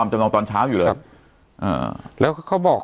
พี่นนท์ก็เลยบอก